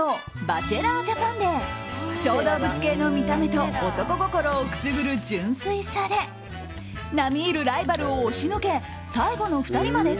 「バチェラー・ジャパン」で小動物系の見た目と男心をくすぐる純粋さで並み居るライバルを押しのけ最後の２人まで